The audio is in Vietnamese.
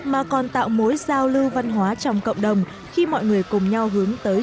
mà còn tạo mối giao lưu văn hóa trong cộng đồng